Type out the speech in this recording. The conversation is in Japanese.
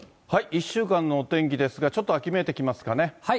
１週間のお天気ですが、ちょっと秋めいてきますかね。